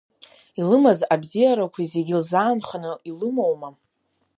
Илымаз абзиарақәа зегьы лзаанханы илымоума?